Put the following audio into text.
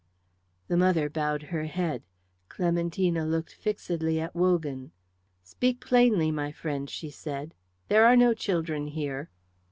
The mother bowed her head; Clementina looked fixedly at Wogan. "Speak plainly, my friend," she said. "There are no children here."